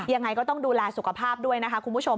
ยังไงก็ต้องดูแลสุขภาพด้วยนะคะคุณผู้ชม